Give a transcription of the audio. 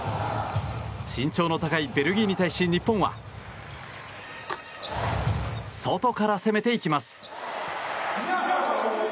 身長の高いベルギーに対して日本は外から攻めていきます。